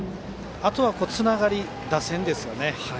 あとはつながり、打線ですよね。